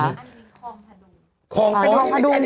อันนี้คลองพระดุง